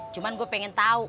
cuma gue pengen tau